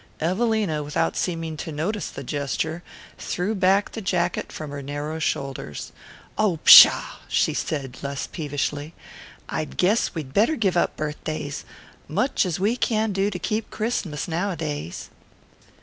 Evelina, without seeming to notice the gesture, threw back the jacket from her narrow shoulders. "Oh, pshaw," she said, less peevishly. "I guess we'd better give up birthdays. Much as we can do to keep Christmas nowadays."